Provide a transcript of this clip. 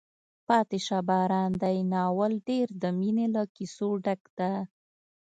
پاتې شه باران دی ناول ډېر د مینې له کیسو ډک ده.